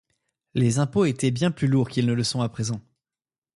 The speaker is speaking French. Les impôts étaient bien plus lourds qu'ils ne le sont à présent.